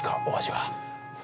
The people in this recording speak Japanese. お味は。